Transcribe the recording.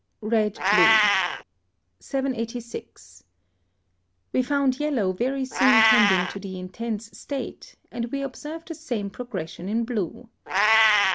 RED BLUE. 786. We found yellow very soon tending to the intense state, and we observe the same progression in blue.